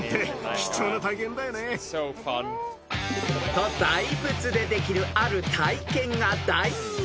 ［と大仏でできるある体験が大人気］